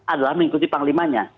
adalah mengikuti panglimanya